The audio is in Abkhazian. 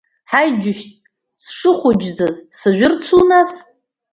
Ҳаи џьушьҭ, сшыхәыҷӡаз сажәырцу нас?